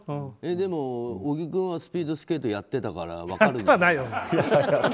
でも、小木君はスピードスケートやってたから分かるの？